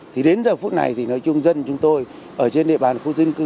thì đến giờ phút này thì nói chung dân chúng tôi ở trên địa bàn khu dân cư